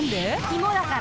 芋だから。